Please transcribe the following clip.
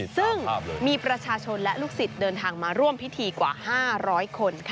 ซึ่งมีประชาชนและลูกศิษย์เดินทางมาร่วมพิธีกว่า๕๐๐คน